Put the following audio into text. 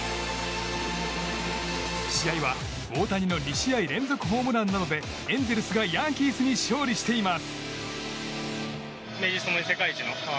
試合は大谷の２試合連続ホームランなどでエンゼルスがヤンキースに勝利しています。